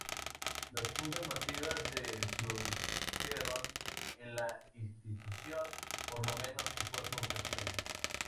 Las fugas masivas se produjeron en la institución por lo menos en cuatro ocasiones.